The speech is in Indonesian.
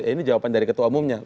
ini jawaban dari ketua umumnya